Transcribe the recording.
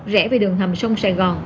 rẽ về đường hầm sông sài gòn